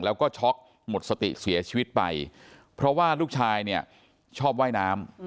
แล้วก็ช็อกหมดสติเสียชีวิตไปเพราะว่าลูกชายเนี่ยชอบว่ายน้ำ